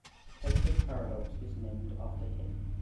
Peto's paradox is named after him.